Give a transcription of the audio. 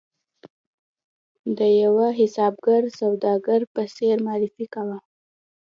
د یوه حسابګر سوداګر په څېر معرفي کاوه.